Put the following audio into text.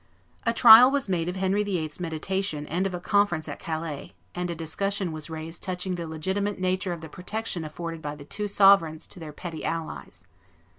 A trial was made of Henry VIII.'s mediation and of a conference at Calais; and a discussion was raised touching the legitimate nature of the protection afforded by the two rival sovereigns to their petty allies.